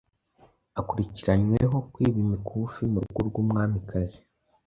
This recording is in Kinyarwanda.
Akurikiranyweho kwiba imikufi mu rugo rw’Umwamikazi